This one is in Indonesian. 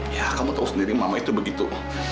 ya kamu tahu sendiri mama itu begitu